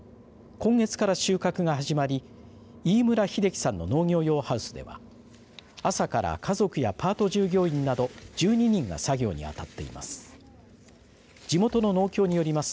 今月から収穫が始まり飯村英樹さんの農業用ハウスでは朝から家族やパート従業員など１２人が作業にあたっています。